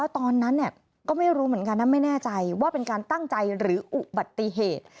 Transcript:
ตอนนั้นก็ไม่รู้เหมือนกันนะไม่แน่ใจว่าเป็นการตั้งใจหรืออุบัติเหตุ